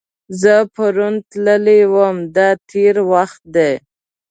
زه پرون تللی وم – دا تېر وخت دی.